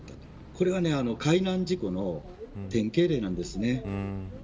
これは海難事故の典型例なんです。